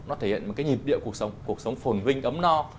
nó thể hiện một cái nhịp điệu cuộc sống cuộc sống phồn vinh ấm no